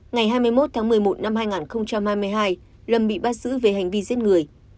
ngày hai mươi một tháng một mươi một năm hai nghìn hai mươi hai lâm bị bắt giữ về hành vi giết người